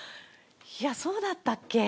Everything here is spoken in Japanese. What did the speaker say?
そうだったっけ？